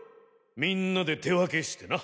みんなで手分けしてな！